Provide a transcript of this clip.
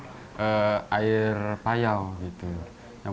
jadi kita bisa menggunakan air payau